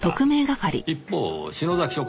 一方篠崎署